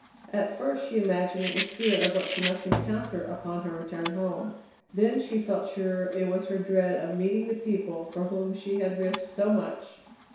At first she imagined it was fear of what she must encounter upon her return home; then she felt sure it was her dread of meeting the people for whom she had risked so much.